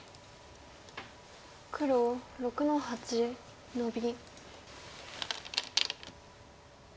黒６の八ノビ。